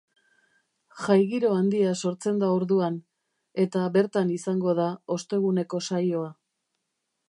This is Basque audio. Jai giro handia sortzen da orduan, eta bertan izango da osteguneko saioa.